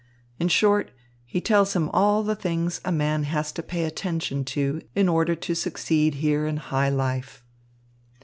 In short, he tells him all the things a man has to pay attention to in order to succeed here in high life."